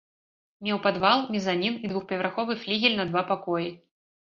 Меў падвал, мезанін і двухпавярховы флігель на два пакоі.